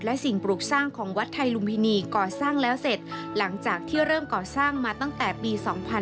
และสิ่งปลูกสร้างของวัดไทยลุมพินีก่อสร้างแล้วเสร็จหลังจากที่เริ่มก่อสร้างมาตั้งแต่ปี๒๕๕๙